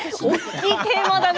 大きいテーマだな。